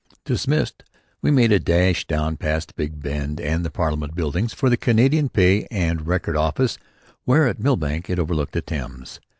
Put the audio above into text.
Dismissed, we made a dash down past Big Ben and the Parliament Buildings for the Canadian Pay and Record Office, where at Millbank it overlooked the Thames.